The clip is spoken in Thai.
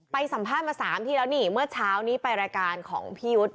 สัมภาษณ์มา๓ที่แล้วนี่เมื่อเช้านี้ไปรายการของพี่ยุทธ์